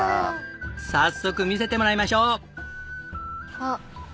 早速見せてもらいましょう。